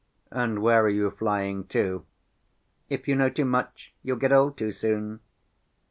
"And where are you flying to?" "If you know too much, you'll get old too soon."